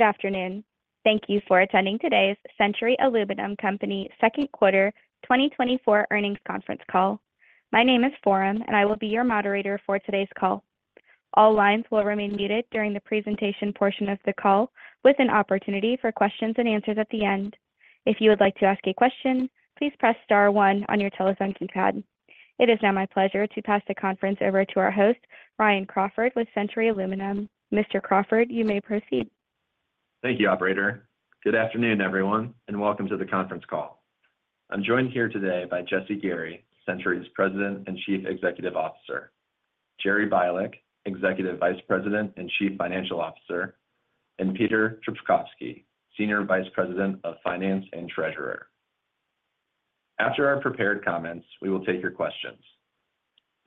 Good afternoon. Thank you for attending today's Century Aluminum Company second quarter 2024 earnings conference call. My name is Forum, and I will be your moderator for today's call. All lines will remain muted during the presentation portion of the call, with an opportunity for questions and answers at the end. If you would like to ask a question, please press star one on your telephone keypad. It is now my pleasure to pass the conference over to our host, Ryan Crawford, with Century Aluminum. Mr. Crawford, you may proceed. Thank you, operator. Good afternoon, everyone, and welcome to the conference call. I'm joined here today by Jesse Gary, Century's President and Chief Executive Officer, Jerry Bialek, Executive Vice President and Chief Financial Officer, and Peter Trpkovski, Senior Vice President of Finance and Treasurer. After our prepared comments, we will take your questions.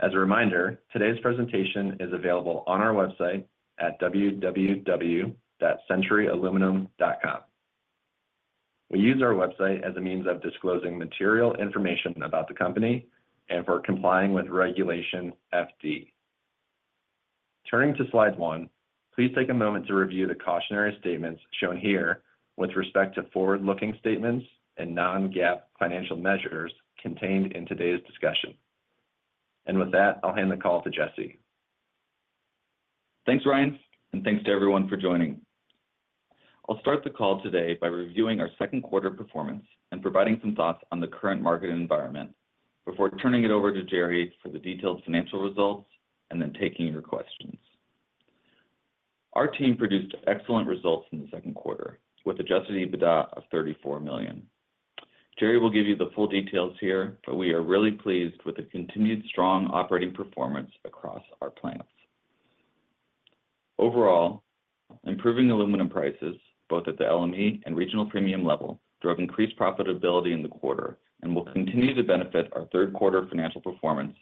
As a reminder, today's presentation is available on our website at www.centuryaluminum.com. We use our website as a means of disclosing material information about the company and for complying with Regulation FD. Turning to slide one, please take a moment to review the cautionary statements shown here with respect to forward-looking statements and non-GAAP financial measures contained in today's discussion. With that, I'll hand the call to Jesse. Thanks, Ryan, and thanks to everyone for joining. I'll start the call today by reviewing our second quarter performance and providing some thoughts on the current market environment before turning it over to Jerry for the detailed financial results and then taking your questions. Our team produced excellent results in the second quarter, with Adjusted EBITDA of $34 million. Jerry will give you the full details here, but we are really pleased with the continued strong operating performance across our plants. Overall, improving aluminum prices, both at the LME and regional premium level, drove increased profitability in the quarter and will continue to benefit our third quarter financial performance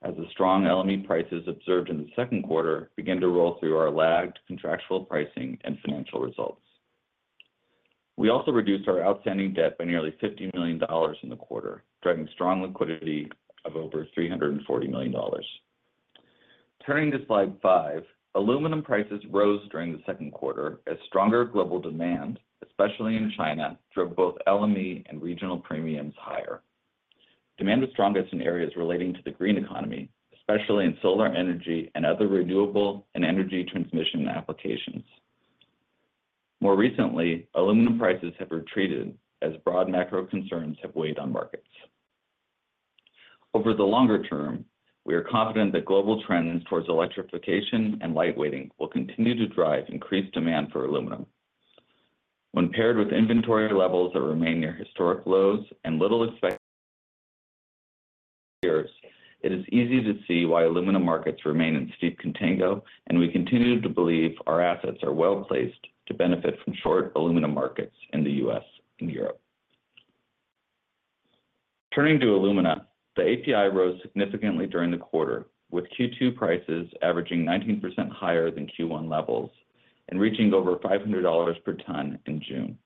as the strong LME prices observed in the second quarter begin to roll through our lagged contractual pricing and financial results. We also reduced our outstanding debt by nearly $50 million in the quarter, driving strong liquidity of over $340 million. Turning to slide 5, aluminum prices rose during the second quarter as stronger global demand, especially in China, drove both LME and regional premiums higher. Demand was strongest in areas relating to the green economy, especially in solar energy and other renewable and energy transmission applications. More recently, aluminum prices have retreated as broad macro concerns have weighed on markets. Over the longer term, we are confident that global trends towards electrification and light weighting will continue to drive increased demand for aluminum. When paired with inventory levels that remain near historic lows and little expected in years, it is easy to see why aluminum markets remain in steep contango, and we continue to believe our assets are well-placed to benefit from short aluminum markets in the U.S. and Europe. Turning to alumina, the API rose significantly during the quarter, with Q2 prices averaging 19% higher than Q1 levels and reaching over $500 per ton in June.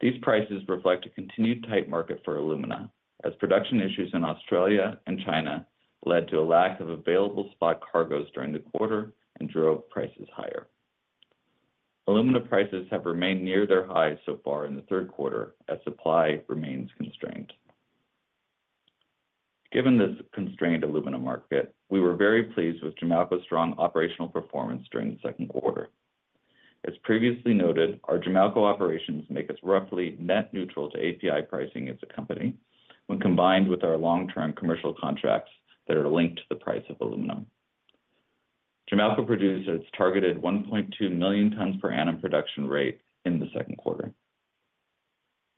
These prices reflect a continued tight market for alumina, as production issues in Australia and China led to a lack of available spot cargoes during the quarter and drove prices higher. Alumina prices have remained near their highs so far in the third quarter as supply remains constrained. Given this constrained alumina market, we were very pleased with Jamalco's strong operational performance during the second quarter. As previously noted, our Jamalco operations make us roughly net neutral to API pricing as a company when combined with our long-term commercial contracts that are linked to the price of aluminum. Jamalco produced its targeted 1.2 million tons per annum production rate in the second quarter.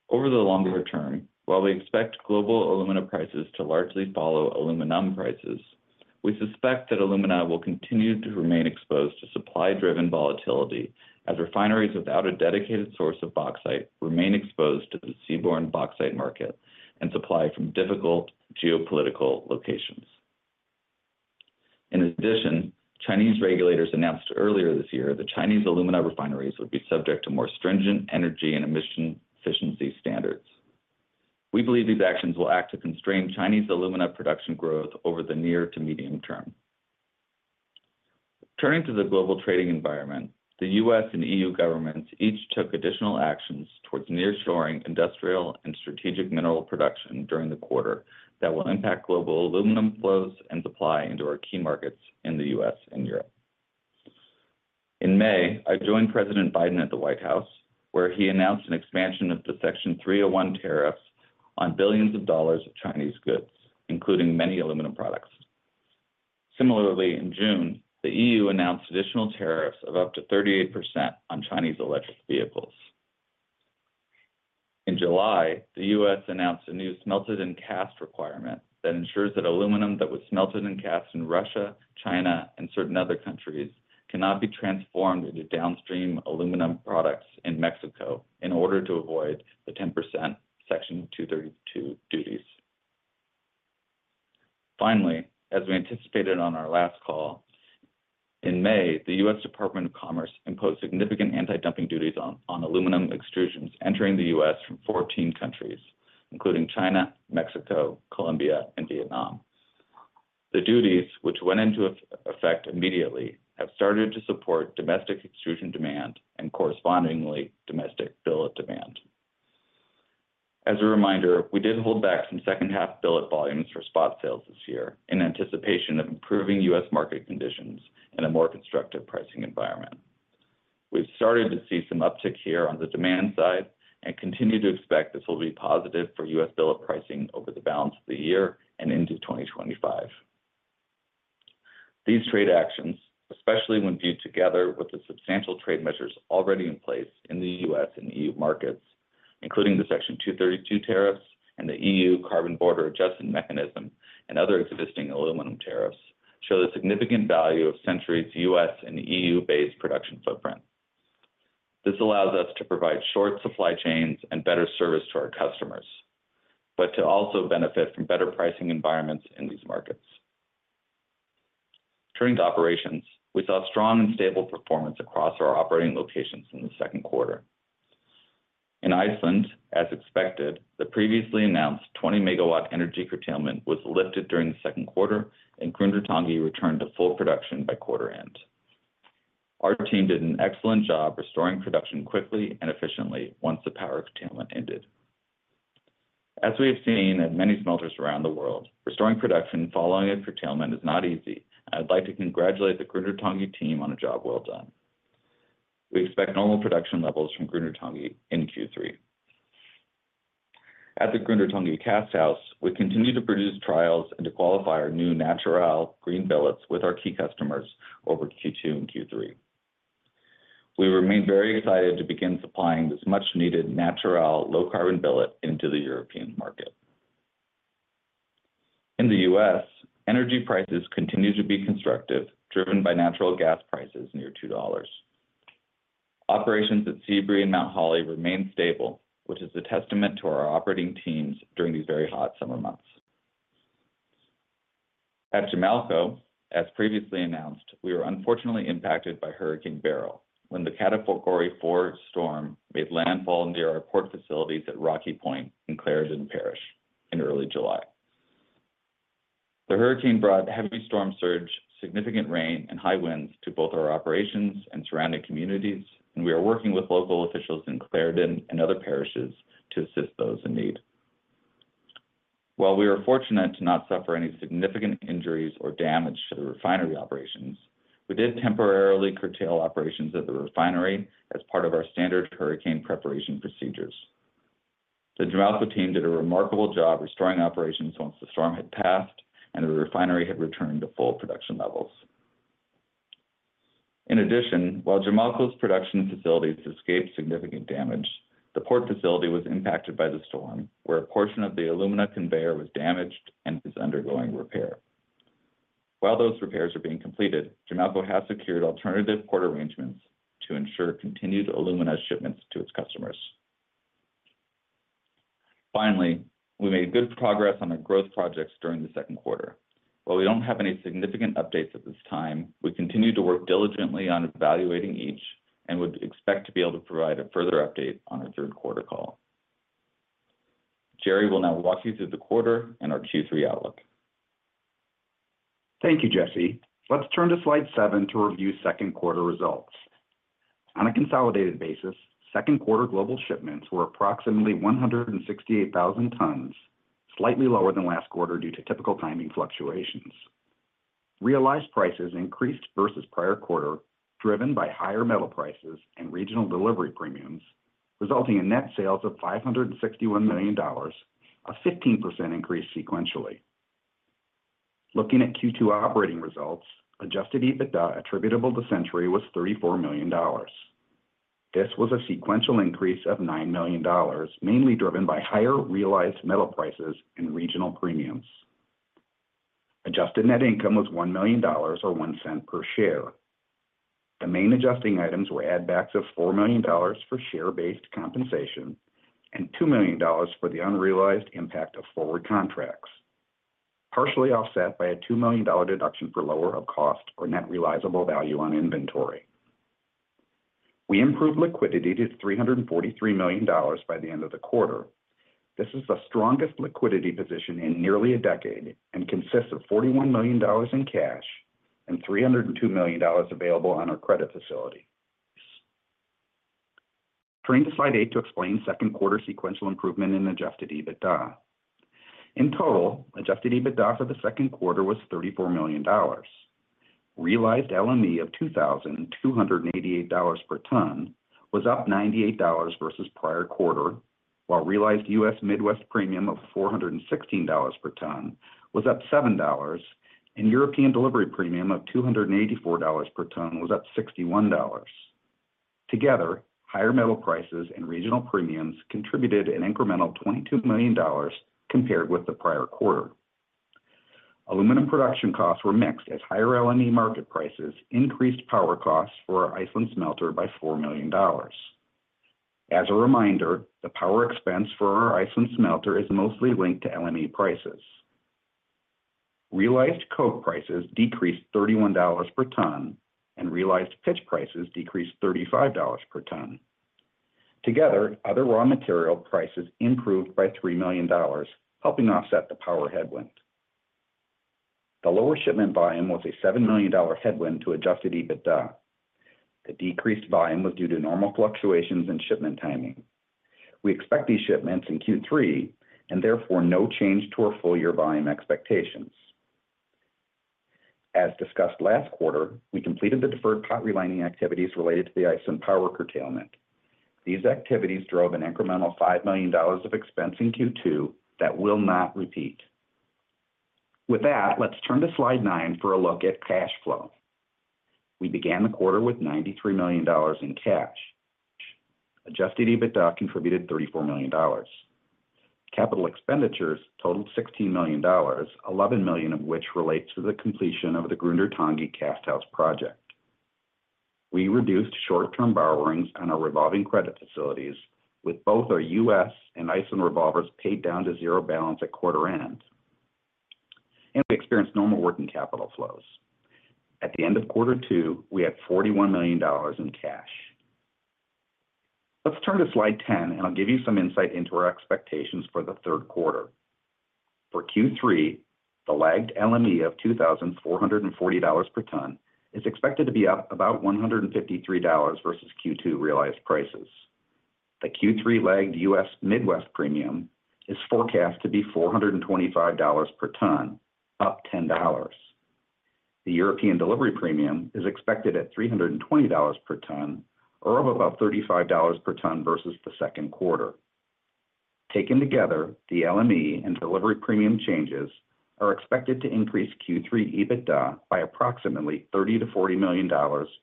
Over the longer term, while we expect global alumina prices to largely follow aluminum prices, we suspect that alumina will continue to remain exposed to supply-driven volatility as refineries without a dedicated source of bauxite remain exposed to the seaborne bauxite market and supply from difficult geopolitical locations. In addition, Chinese regulators announced earlier this year that Chinese alumina refineries would be subject to more stringent energy and emission efficiency standards. We believe these actions will act to constrain Chinese alumina production growth over the near to medium term. Turning to the global trading environment, the U.S. and E.U. governments each took additional actions towards nearshoring industrial and strategic mineral production during the quarter that will impact global aluminum flows and supply into our key markets in the U.S. and Europe. In May, I joined President Biden at the White House, where he announced an expansion of the Section 301 tariffs on billions of dollars of Chinese goods, including many aluminum products. Similarly, in June, the E.U. announced additional tariffs of up to 38% on Chinese electric vehicles. In July, the U.S. announced a new smelted and cast requirement that ensures that aluminum that was smelted and cast in Russia, China, and certain other countries cannot be transformed into downstream aluminum products in Mexico in order to avoid the 10% Section 232 duties. Finally, as we anticipated on our last call, in May, the U.S. Department of Commerce imposed significant anti-dumping duties on aluminum extrusions entering the U.S. from 14 countries, including China, Mexico, Colombia, and Vietnam. The duties, which went into effect immediately, have started to support domestic extrusion demand and correspondingly domestic billet demand. As a reminder, we did hold back some second half billet volumes for spot sales this year in anticipation of improving U.S. market conditions and a more constructive pricing environment. We've started to see some uptick here on the demand side and continue to expect this will be positive for U.S. billet pricing over the balance of the year and into 2025. These trade actions, especially when viewed together with the substantial trade measures already in place in the U.S. and EU markets, including the Section 232 tariffs and the EU Carbon Border Adjustment Mechanism and other existing aluminum tariffs, show the significant value of Century's U.S. and EU-based production footprint. This allows us to provide short supply chains and better service to our customers, but to also benefit from better pricing environments in these markets. Turning to operations, we saw strong and stable performance across our operating locations in the second quarter. In Iceland, as expected, the previously announced 20-megawatt energy curtailment was lifted during the second quarter, and Grundartangi returned to full production by quarter end. Our team did an excellent job restoring production quickly and efficiently once the power curtailment ended. As we have seen in many smelters around the world, restoring production following a curtailment is not easy, and I'd like to congratulate the Grundartangi team on a job well done. We expect normal production levels from Grundartangi in Q3. At the Grundartangi cast house, we continue to produce trials and to qualify our new Natur-Al green billets with our key customers over Q2 and Q3. We remain very excited to begin supplying this much-needed Natur-Al low-carbon billet into the European market. In the U.S., energy prices continue to be constructive, driven by natural gas prices near $2. Operations at Sebree and Mount Holly remain stable, which is a testament to our operating teams during these very hot summer months. At Jamalco, as previously announced, we were unfortunately impacted by Hurricane Beryl when the Category 4 storm made landfall near our port facilities at Rocky Point in Clarendon Parish in early July. The hurricane brought heavy storm surge, significant rain, and high winds to both our operations and surrounding communities, and we are working with local officials in Clarendon and other parishes to assist those in need. While we were fortunate to not suffer any significant injuries or damage to the refinery operations, we did temporarily curtail operations at the refinery as part of our standard hurricane preparation procedures. The Jamalco team did a remarkable job restoring operations once the storm had passed and the refinery had returned to full production levels. In addition, while Jamalco's production facilities escaped significant damage, the port facility was impacted by the storm, where a portion of the alumina conveyor was damaged and is undergoing repair. While those repairs are being completed, Jamalco has secured alternative port arrangements to ensure continued alumina shipments to its customers. Finally, we made good progress on our growth projects during the second quarter. While we don't have any significant updates at this time, we continue to work diligently on evaluating each and would expect to be able to provide a further update on our third quarter call. Jerry will now walk you through the quarter and our Q3 outlook. Thank you, Jesse. Let's turn to Slide 7 to review second quarter results. On a consolidated basis, second quarter global shipments were approximately 168,000 tons, slightly lower than last quarter due to typical timing fluctuations. Realized prices increased versus prior quarter, driven by higher metal prices and regional delivery premiums, resulting in net sales of $561 million, a 15% increase sequentially. Looking at Q2 operating results, Adjusted EBITDA attributable to Century was $34 million. This was a sequential increase of $9 million, mainly driven by higher realized metal prices and regional premiums. Adjusted net income was $1 million, or $0.01 per share. The main adjusting items were add backs of $4 million for share-based compensation and $2 million for the unrealized impact of forward contracts, partially offset by a $2 million deduction for lower of cost or net realizable value on inventory. We improved liquidity to $343 million by the end of the quarter. This is the strongest liquidity position in nearly a decade and consists of $41 million in cash and $302 million available on our credit facility. Turning to Slide 8 to explain second quarter sequential improvement in Adjusted EBITDA. In total, Adjusted EBITDA for the second quarter was $34 million. Realized LME of $2,288 per ton was up $98 versus prior quarter, while realized U.S. Midwest premium of $416 per ton was up $7, and European Delivery Premium of $284 per ton was up $61. Together, higher metal prices and regional premiums contributed an incremental $22 million compared with the prior quarter. Aluminum production costs were mixed as higher LME market prices increased power costs for our Iceland smelter by $4 million. As a reminder, the power expense for our Iceland smelter is mostly linked to LME prices. Realized coke prices decreased $31 per ton, and realized pitch prices decreased $35 per ton. Together, other raw material prices improved by $3 million, helping offset the power headwind. The lower shipment volume was a $7 million headwind to Adjusted EBITDA. The decreased volume was due to normal fluctuations in shipment timing. We expect these shipments in Q3, and therefore no change to our full year volume expectations. As discussed last quarter, we completed the deferred pot relining activities related to the Iceland power curtailment. These activities drove an incremental $5 million of expense in Q2 that will not repeat. With that, let's turn to slide nine for a look at cash flow. We began the quarter with $93 million in cash. Adjusted EBITDA contributed $34 million. Capital expenditures totaled $16 million, $11 million of which relates to the completion of the Grundartangi cast house project. We reduced short-term borrowings on our revolving credit facilities, with both our U.S. and Iceland revolvers paid down to 0 balance at quarter end. We experienced normal working capital flows. At the end of quarter two, we had $41 million in cash. Let's turn to slide 10, and I'll give you some insight into our expectations for the third quarter. For Q3, the lagged LME of $2,440 per ton is expected to be up about $153 versus Q2 realized prices. The Q3 lagged US Midwest premium is forecast to be $425 per ton, up $10. The European delivery premium is expected at $320 per ton, or up about $35 per ton versus the second quarter. Taken together, the LME and delivery premium changes are expected to increase Q3 EBITDA by approximately $30-$40 million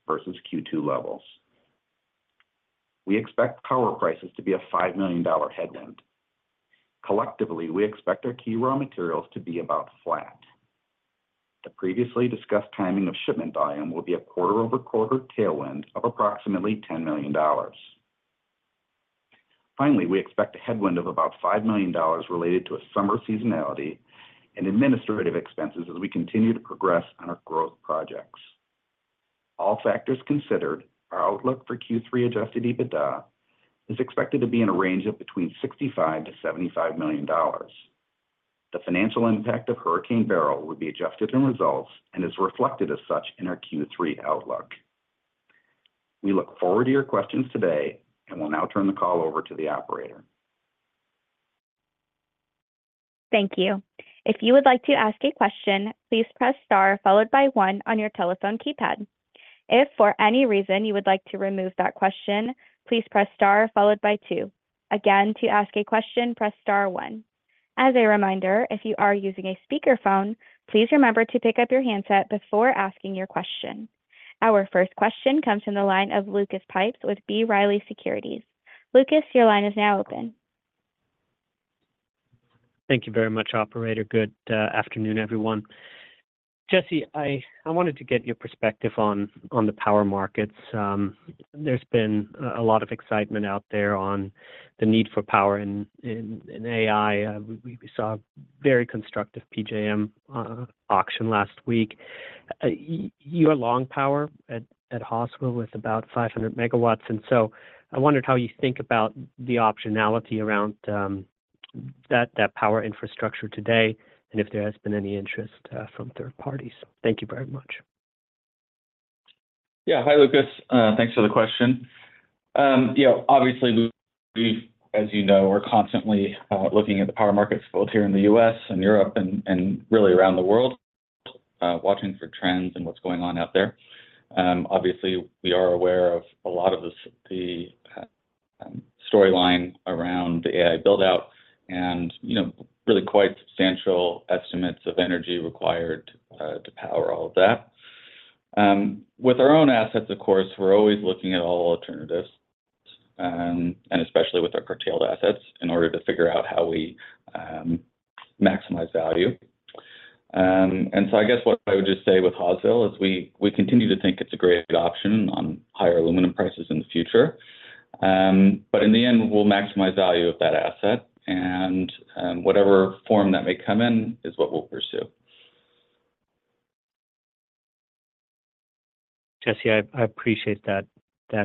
versus Q2 levels. We expect power prices to be a $5 million headwind. Collectively, we expect our key raw materials to be about flat. The previously discussed timing of shipment volume will be a quarter-over-quarter tailwind of approximately $10 million. Finally, we expect a headwind of about $5 million related to a summer seasonality and administrative expenses as we continue to progress on our growth projects. All factors considered, our outlook for Q3 Adjusted EBITDA is expected to be in a range of between $65-$75 million. The financial impact of Hurricane Beryl would be adjusted in results and is reflected as such in our Q3 outlook. We look forward to your questions today, and we'll now turn the call over to the operator. Thank you. If you would like to ask a question, please press Star, followed by one on your telephone keypad. If, for any reason, you would like to remove that question, please press Star followed by two. Again, to ask a question, press Star one. As a reminder, if you are using a speakerphone, please remember to pick up your handset before asking your question. Our first question comes from the line of Lucas Pipes with B. Riley Securities. Lucas, your line is now open. Thank you very much, operator. Good afternoon, everyone. Jesse, I wanted to get your perspective on the power markets. There's been a lot of excitement out there on the need for power in AI. We saw a very constructive PJM auction last week. You are long power at Hawesville with about 500 MW, and so I wondered how you think about the optionality around that power infrastructure today, and if there has been any interest from third parties. Thank you very much. Yeah. Hi, Lucas. Thanks for the question. You know, obviously, we, as you know, are constantly looking at the power markets, both here in the U.S. and Europe and really around the world, watching for trends and what's going on out there. Obviously, we are aware of a lot of the storyline around the AI build-out and, you know, really quite substantial estimates of energy required to power all of that. With our own assets, of course, we're always looking at all alternatives and especially with our curtailed assets, in order to figure out how we maximize value. And so I guess what I would just say with Hawesville is we continue to think it's a great option on higher aluminum prices in the future. But in the end, we'll maximize value of that asset, and whatever form that may come in is what we'll pursue. Jesse, I appreciate that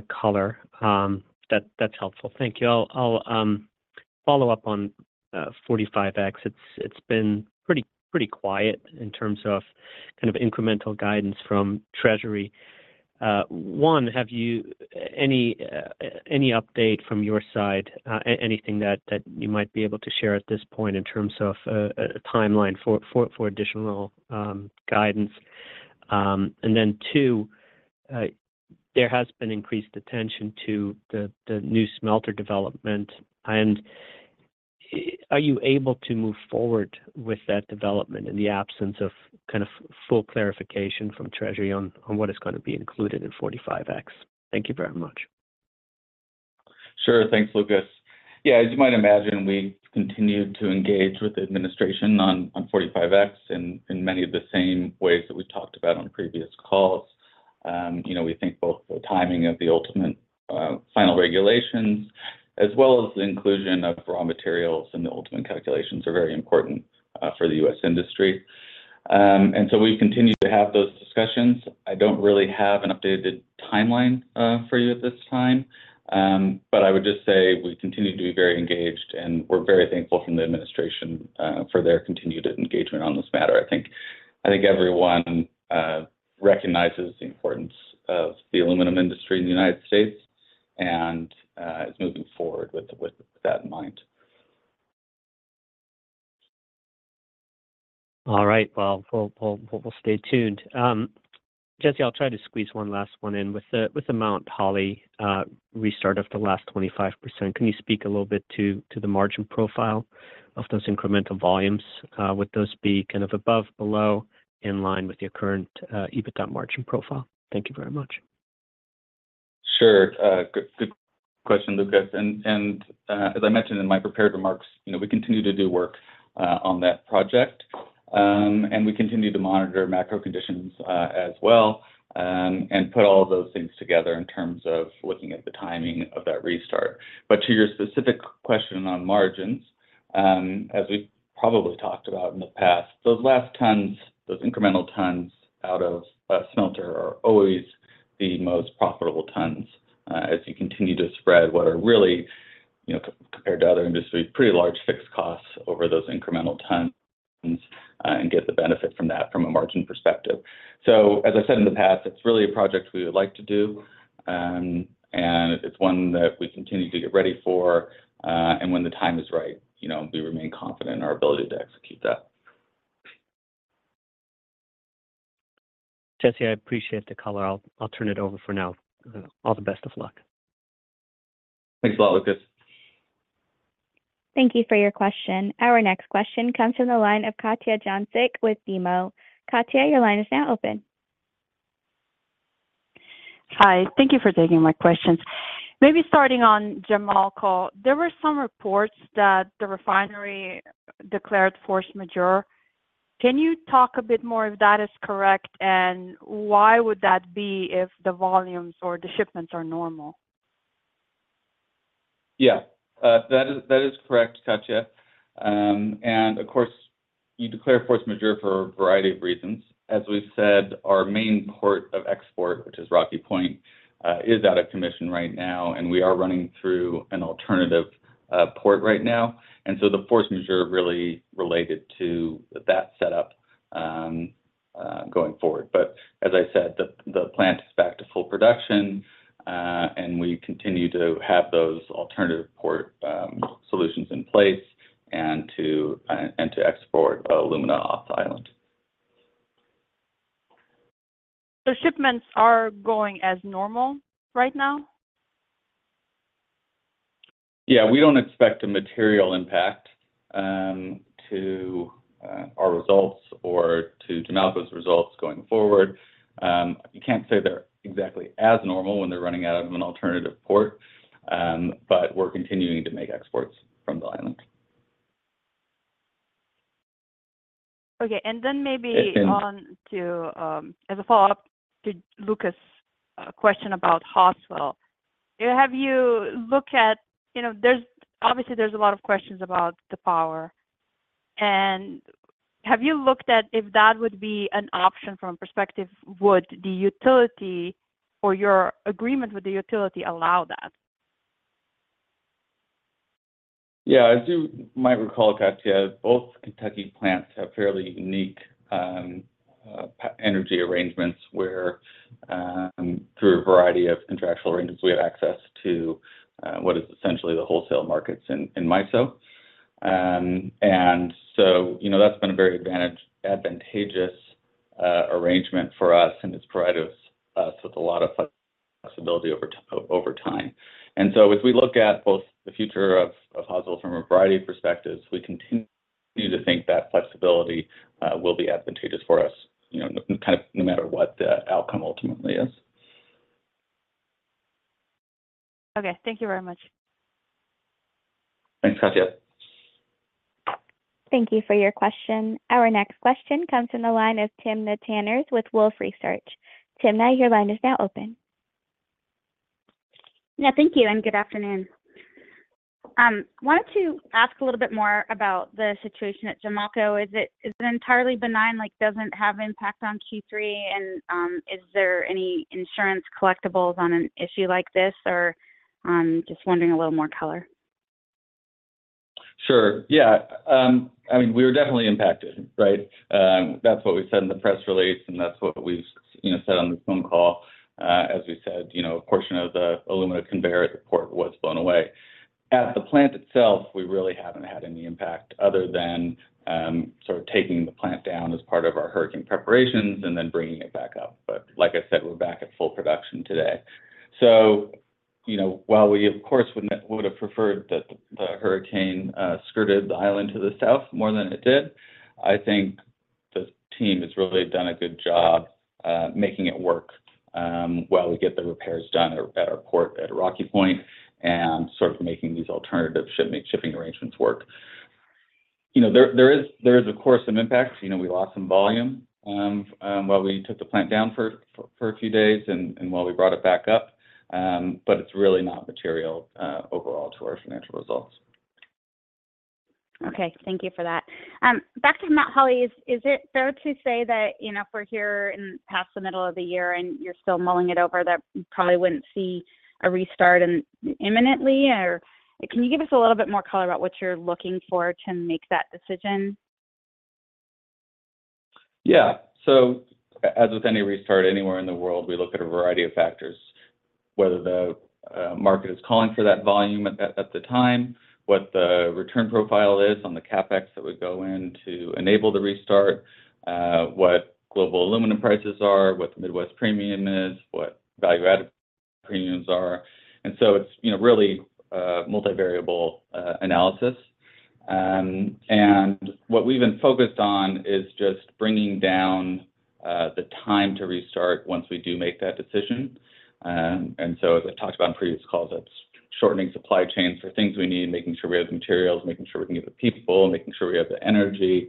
color. That's helpful. Thank you. I'll follow up on 45X. It's been pretty quiet in terms of kind of incremental guidance from Treasury. One, have you any update from your side, anything that you might be able to share at this point in terms of a timeline for additional guidance? And then two, there has been increased attention to the new smelter development, and are you able to move forward with that development in the absence of kind of full clarification from Treasury on what is gonna be included in 45X? Thank you very much. Sure. Thanks, Lucas. Yeah, as you might imagine, we continued to engage with the administration on 45X in many of the same ways that we've talked about on previous calls. You know, we think both the timing of the ultimate final regulations, as well as the inclusion of raw materials in the ultimate calculations are very important for the U.S. industry.... and so we continue to have those discussions. I don't really have an updated timeline, for you at this time. But I would just say we continue to be very engaged, and we're very thankful from the administration, for their continued engagement on this matter. I think everyone recognizes the importance of the aluminum industry in the United States and is moving forward with that in mind. All right, well, we'll stay tuned. Jesse, I'll try to squeeze one last one in. With the Mount Holly restart of the last 25%, can you speak a little bit to the margin profile of those incremental volumes? Would those be kind of above, below, in line with your current EBITDA margin profile? Thank you very much. Sure. Good, good question, Lucas. As I mentioned in my prepared remarks, you know, we continue to do work on that project. And we continue to monitor macro conditions as well, and put all of those things together in terms of looking at the timing of that restart. But to your specific question on margins, as we've probably talked about in the past, those last tons, those incremental tons out of a smelter are always the most profitable tons. As you continue to spread what are really, you know, compared to other industries, pretty large fixed costs over those incremental tons, and get the benefit from that from a margin perspective. So as I said in the past, it's really a project we would like to do, and it's one that we continue to get ready for, and when the time is right, you know, we remain confident in our ability to execute that. Jesse, I appreciate the color. I'll turn it over for now. All the best of luck. Thanks a lot, Lucas. Thank you for your question. Our next question comes from the line of Katja Jancic with BMO. Katja, your line is now open. Hi, thank you for taking my questions. Maybe starting on Jamalco, there were some reports that the refinery declared force majeure. Can you talk a bit more if that is correct, and why would that be if the volumes or the shipments are normal? Yeah, that is, that is correct, Katja. And of course, you declare force majeure for a variety of reasons. As we've said, our main port of export, which is Rocky Point, is out of commission right now, and we are running through an alternative port right now. And so the force majeure really related to that setup going forward. But as I said, the plant is back to full production, and we continue to have those alternative port solutions in place and to export alumina off the island. The shipments are going as normal right now? Yeah, we don't expect a material impact to our results or to Jamalco's results going forward. You can't say they're exactly as normal when they're running out of an alternative port, but we're continuing to make exports from the island. Okay, and then maybe- And- On to, as a follow-up to Lucas's question about Hawesville. Have you looked at... You know, there's obviously a lot of questions about the power. And have you looked at if that would be an option from a perspective, would the utility or your agreement with the utility allow that? Yeah, as you might recall, Katja, both Kentucky plants have fairly unique energy arrangements, where through a variety of contractual arrangements, we have access to what is essentially the wholesale markets in MISO. And so, you know, that's been a very advantageous arrangement for us, and it's provided us with a lot of flexibility over time. And so as we look at both the future of Hawesville from a variety of perspectives, we continue to think that flexibility will be advantageous for us, you know, kind of no matter what the outcome ultimately is. Okay. Thank you very much. Thanks, Katya. Thank you for your question. Our next question comes from the line of Timna Tanners with Wolfe Research. Timna, now your line is now open. Yeah, thank you, and good afternoon. Wanted to ask a little bit more about the situation at Jamalco. Is it, is it entirely benign, like doesn't have impact on Q3? And, is there any insurance collectibles on an issue like this or, just wondering a little more color? Sure. Yeah, I mean, we were definitely impacted, right? That's what we said in the press release, and that's what we've, you know, said on the phone call. As we said, you know, a portion of the alumina conveyor at the port was blown away. At the plant itself, we really haven't had any impact other than sort of taking the plant down as part of our hurricane preparations and then bringing it back up. But like I said, we're back at full production today. So, you know, while we, of course, would have preferred that the hurricane skirted the island to the south more than it did, I think the team has really done a good job making it work while we get the repairs done at our port at Rocky Point and sort of making these alternative shipping arrangements work. You know, there is, of course, some impacts. You know, we lost some volume while we took the plant down for a few days and while we brought it back up, but it's really not material overall to our financial results.... Okay, thank you for that. Back to Mount Holly, is it fair to say that, you know, if we're here past the middle of the year and you're still mulling it over, that we probably wouldn't see a restart imminently? Or can you give us a little bit more color about what you're looking for to make that decision? Yeah. So as with any restart, anywhere in the world, we look at a variety of factors. Whether the market is calling for that volume at the time, what the return profile is on the CapEx that would go in to enable the restart, what global aluminum prices are, what the Midwest premium is, what value-added premiums are. And so it's, you know, really multivariable analysis. And what we've been focused on is just bringing down the time to restart once we do make that decision. And so as I talked about in previous calls, that's shortening supply chains for things we need, making sure we have the materials, making sure we can get the people, making sure we have the energy,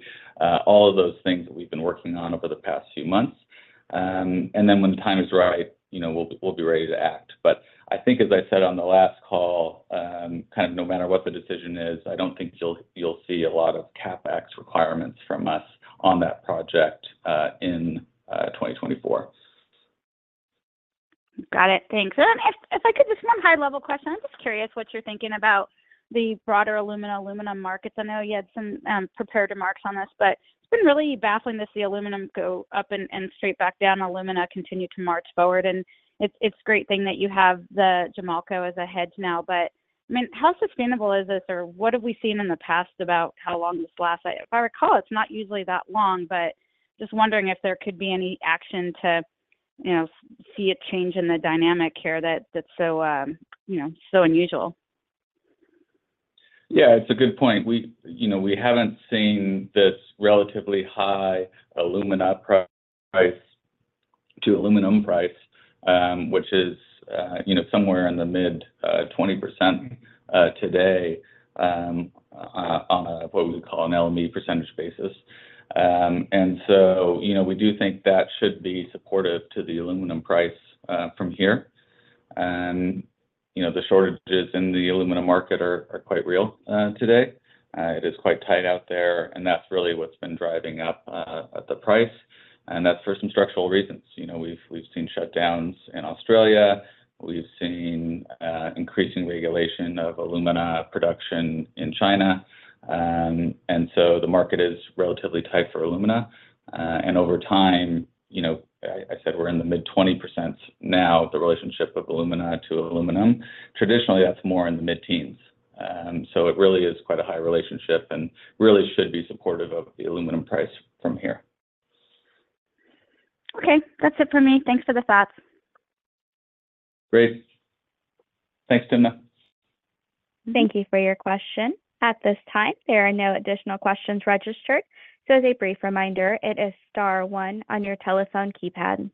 all of those things that we've been working on over the past few months. And then when the time is right, you know, we'll be ready to act. But I think, as I said on the last call, kind of no matter what the decision is, I don't think you'll see a lot of CapEx requirements from us on that project, in 2024. Got it. Thanks. If I could, just one high-level question. I'm just curious what you're thinking about the broader alumina-aluminum markets. I know you had some prepared remarks on this, but it's been really baffling to see aluminum go up and straight back down, alumina continue to march forward, and it's a great thing that you have the Jamalco as a hedge now. But, I mean, how sustainable is this? Or what have we seen in the past about how long this lasts? If I recall, it's not usually that long, but just wondering if there could be any action to, you know, see a change in the dynamic here that's so, you know, so unusual. Yeah, it's a good point. You know, we haven't seen this relatively high alumina price to aluminum price, which is, you know, somewhere in the mid-20%, today, on what we would call an LME percentage basis. And so, you know, we do think that should be supportive to the aluminum price, from here. And, you know, the shortages in the aluminum market are quite real, today. It is quite tight out there, and that's really what's been driving up the price, and that's for some structural reasons. You know, we've seen shutdowns in Australia. We've seen increasing regulation of alumina production in China. And so the market is relatively tight for alumina. Over time, you know, I said we're in the mid-20%s now, the relationship of alumina to aluminum. Traditionally, that's more in the mid-teens%. So it really is quite a high relationship and really should be supportive of the aluminum price from here. Okay, that's it for me. Thanks for the thoughts. Great. Thanks, Tina. Thank you for your question. At this time, there are no additional questions registered, so as a brief reminder, it is star one on your telephone keypad.